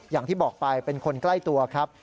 อย่างที่บอกไปเป็นคนใกล้ตัวครับ